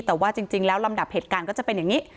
แต่ว่าจริงแล้วลำดับเหตุการณ์ก็จะเป็นอย่างนี้